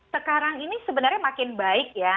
sekarang ini sebenarnya makin baik ya